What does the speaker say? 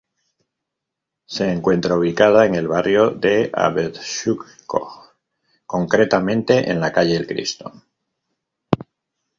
Se encuentra ubicada en el barrio de Abetxuko, concretamente en la calle El Cristo.